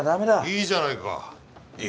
いいじゃないか育休